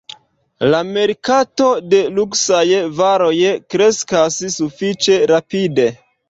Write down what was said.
La merkato de luksaj varoj kreskas sufiĉe rapide.